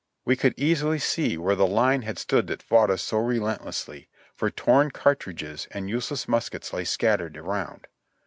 We could easily see where the line had stood that fought us so relentlessly, for torn cartridges and useless muskets lay scat tered around.